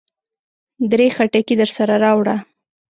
درې خټکي درسره راوړه.